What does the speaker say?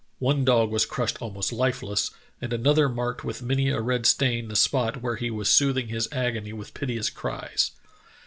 One dog was crushed almost life less, and another marked with many a red stain the spot where he was soothing his agony with piteous cries.